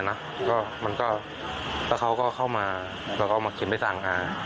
แล้วเขาก็เข้ามาเขาก็มาเขียนไปสั่ง